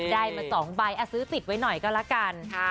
ได้มา๒ใบซื้อติดไว้หน่อยก็แล้วกัน